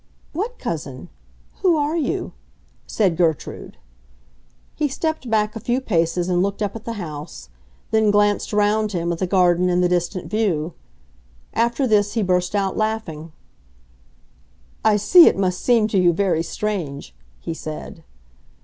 "What cousin? Who are you?" said Gertrude. He stepped back a few paces and looked up at the house; then glanced round him at the garden and the distant view. After this he burst out laughing. "I see it must seem to you very strange," he said.